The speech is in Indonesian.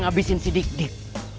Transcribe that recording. ngabisin si dik dik